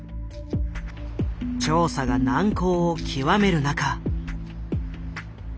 調査が難航を極める中。